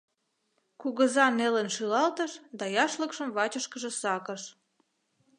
Кугыза нелын шӱлалтыш да яшлыкшым вачышкыже сакыш.